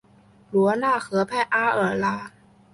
罗讷河畔阿尔拉。